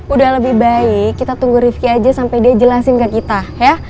udah lebih baik kita tunggu rifki aja sampai dia jelasin ke kita ya